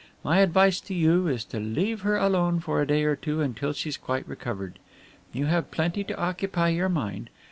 My advice to you is to leave her alone for a day or two until she's quite recovered. You have plenty to occupy your mind.